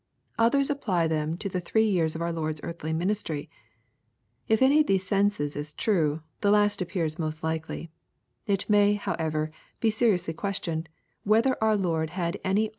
Others apply them to the three years of our Lord's earthly ministry. — ^If any of these senses is true, the last appears most likely, ft may, however, be seriously questioned, whether our Lord had any of.